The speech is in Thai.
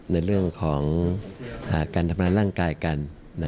ในเรื่องของการทำร้ายร่างกายกัน